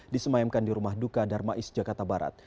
disemayamkan di rumah duka darmais jakarta barat